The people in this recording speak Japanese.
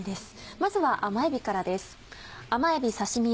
まずは甘えびからです。